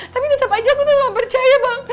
tapi tetep aja aku tuh gak percaya bang